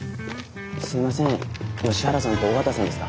すいません吉原さんと尾形さんですか？